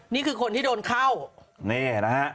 นี่คือคนที่โดนเข้านี่นะฮะ